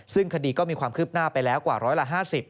ซึ่งคดีก็มีความคืบหน้าไปแล้วกว่าร้อยละ๕๐